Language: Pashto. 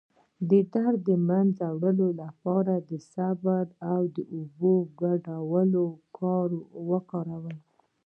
د درد د مینځلو لپاره د صبر او اوبو ګډول وکاروئ